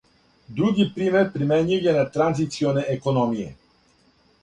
Други пример примењив је на транзиционе економије.